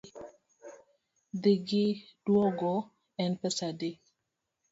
Dhi gi duogo en pesa adi?